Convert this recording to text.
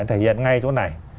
thể hiện ngay chỗ này